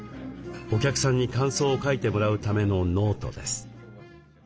お客さんに感想を書いてもらうためのノートです。